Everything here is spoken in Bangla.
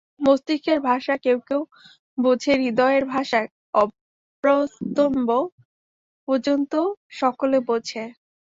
মস্তিষ্কের ভাষা কেউ কেউ বোঝে, হৃদয়ের ভাষা আব্রহ্মস্তম্ব পর্যন্ত সকলে বোঝে।